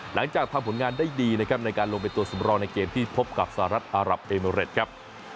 หลังจากทำผลงานได้ดีนะครับในการลงเป็นตัวสำรองในเกมที่พบกับสหรัฐอารับเอเมริตครับ